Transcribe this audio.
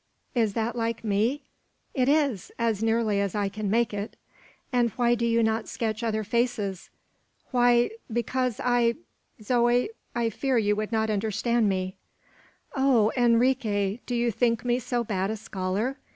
"Is that like me?" "It is, as nearly as I can make it." "And why do you not sketch other faces?" "Why! because I Zoe, I fear you would not understand me." "Oh, Enrique; do you think me so bad a scholar?